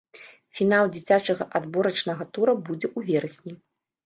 Фінал дзіцячага адборачнага тура будзе у верасні.